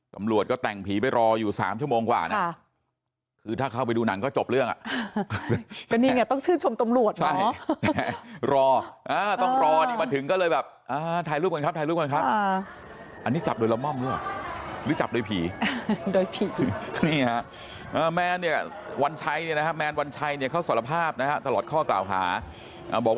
อ้อสวัสดีครับสวัสดีคุณผู้ชมครับ